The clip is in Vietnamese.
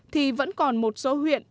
thì vẫn còn một số huyện